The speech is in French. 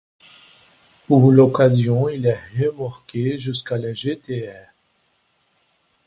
Pour l'occasion il est remorqué jusqu'à la jetée est.